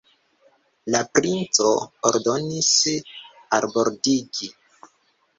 La princo ordonis albordigi.